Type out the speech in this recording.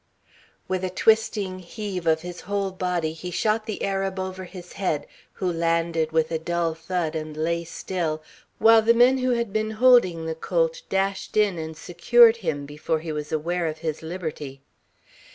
With a twisting heave of his whole body he shot the Arab over his head, who landed with a dull thud and lay still, while the men who had been holding the colt dashed in and secured him before he was aware of his liberty.